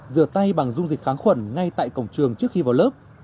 rửa tay bằng dung dịch kháng khuẩn ngay tại cổng trường trước khi vào lớp